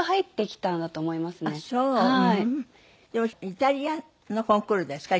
イタリアのコンクールですか？